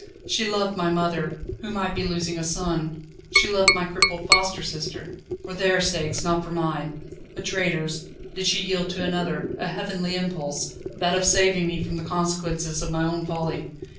She loved my mother, who might be losing a son; she loved my crippled foster sister; for their sakes, not for mine a traitor's did she yield to another, a heavenly impulse, that of saving me from the consequences of my own folly.